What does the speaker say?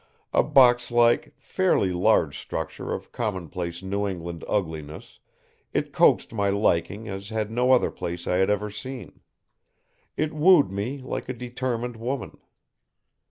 A box like, fairly large structure of commonplace New England ugliness, it coaxed my liking as had no other place I had ever seen; it wooed me like a determined woman.